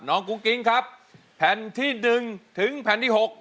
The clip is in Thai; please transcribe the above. น้องโกงกลิ้งคับแผ่นที่๑ถึงแผ่นที่๖